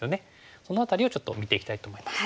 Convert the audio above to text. その辺りをちょっと見ていきたいと思います。